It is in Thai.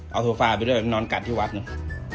เอาโทษฝาไปด้วยเดี๋ยวนอนกัดที่วัดหนึ่ง